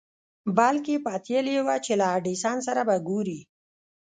بلکې پتېيلې يې وه چې له ايډېسن سره به ګوري.